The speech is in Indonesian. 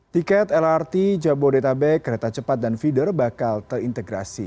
tiket lrt jabodetabek kereta cepat dan feeder bakal terintegrasi